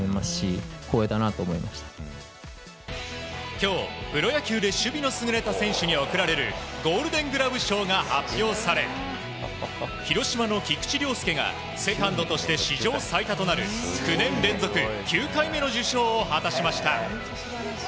今日、プロ野球で守備の優れた選手に贈られるゴールデングラブ賞が発表され広島の菊池涼介がセカンドとして史上最多となる９年連続９回目の受賞を果たしました。